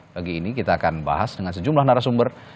pagi ini kita akan bahas dengan sejumlah narasumber